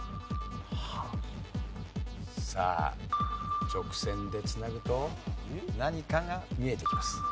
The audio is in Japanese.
さあ直線でつなぐと何かが見えてきます。